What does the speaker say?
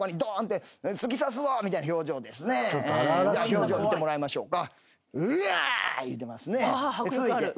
表情見てもらいましょうか。